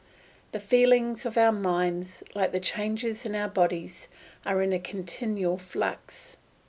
The feelings of our minds, like the changes in our bodies, are in a continual flux.